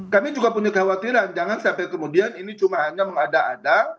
kami juga punya kekhawatiran jangan sampai kemudian ini cuma hanya mengada ada